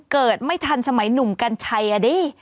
เกิดไม่ทันสมัยหนุ่มกัญชัยอ่ะดิ